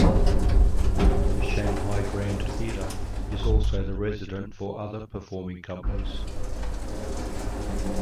The Shanghai Grand Theatre is also the resident for other performing companies.